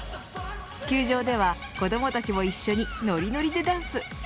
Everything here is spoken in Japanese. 球場では、子どもたちも一緒にのりのりでダンス。